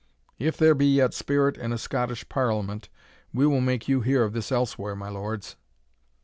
If there be yet spirit in a Scottish Parliament, we will make you hear of this elsewhere, my lords!"